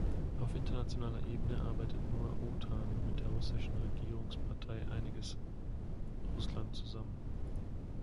Auf internationaler Ebene arbeitet Nur Otan mit der russischen Regierungspartei Einiges Russland zusammen.